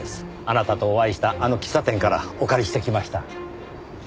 あなたとお会いしたあの喫茶店からお借りしてきました。